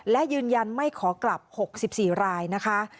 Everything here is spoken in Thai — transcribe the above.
และยืนยันไม่ขอกลับ๖๔รายนะคะ